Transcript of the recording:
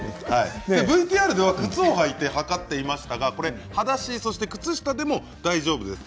ＶＴＲでは靴を履いて測っていましたがはだし、靴下でも大丈夫です。